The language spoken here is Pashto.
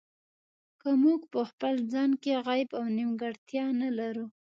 که موږ په خپل ځان کې عیب او نیمګړتیا نه لرو.